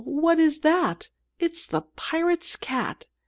what is that! It's the pirate's cat!"